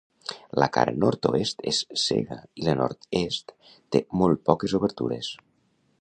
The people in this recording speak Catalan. La cara nord-oest és cega i la nord-est té molt poques obertures.